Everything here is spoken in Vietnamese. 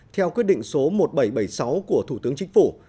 theo quyết định số một nghìn bảy trăm bảy mươi sáu của thủ tướng chính phủ